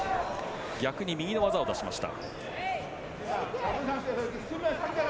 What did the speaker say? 逆に右の技を出しました。